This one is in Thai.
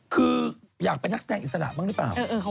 คืออยากเป็นนักแสดงอิสระบ้างหรือเปล่า